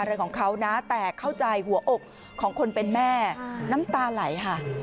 อะไรของเขานะแต่เข้าใจหัวอกของคนเป็นแม่น้ำตาไหลค่ะ